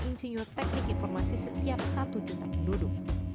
dua ratus tujuh puluh delapan insinyur teknik informasi setiap satu juta penduduk